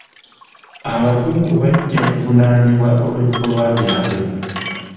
Abakungu bajja kuvunaanibwa olw'ebikolwa byabwe.